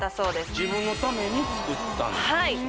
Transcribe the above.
自分のために作ったんですね